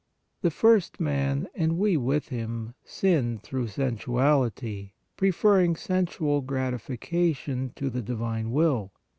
The first man, and we with him, sinned through sensuality, pre ferring sensual gratification to the divine will.